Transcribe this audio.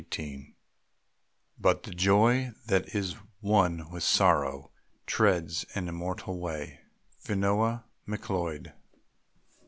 XVIII But the joy that is one with sorrow Treads an immortal way. FIONA MACLEOD.